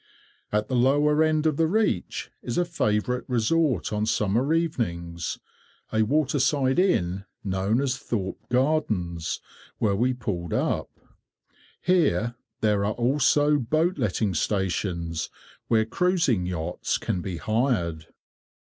At the lower end of the reach is a favourite resort on summer evenings, a waterside inn, known as Thorpe Gardens, where we pulled up. Here there are also boat letting stations, where cruising yachts can be hired.